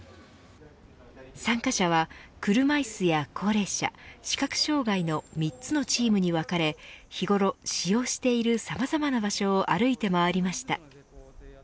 参加者は車いすや高齢者視覚障害の３つのチームに分かれ日頃使用しているさまざまな場所を歩いて回りました。